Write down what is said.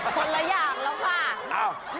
คนละอย่างแล้วค่ะ